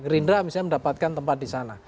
gerindra misalnya mendapatkan tempat di sana